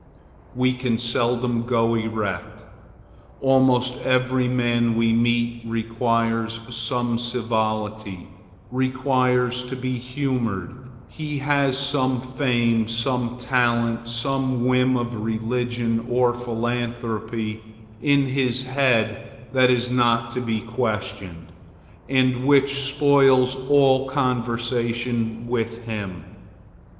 We can seldom go erect. Almost every man we meet requires some civility,—requires to be humored; he has some fame, some talent, some whim of religion or philanthropy in his head that is not to be questioned, and which spoils all conversation with him.